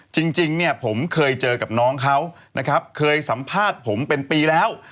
จริงเนี่ยผมเคยเจอกับน้องเขานะครับเคยสัมภาษณ์ผมเป็นปีแล้ว